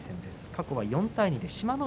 過去は４対２で志摩ノ